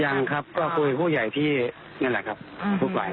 ยังครับก็คุยพวกใหญ่พี่นั่นแหละครับทุกฝ่าย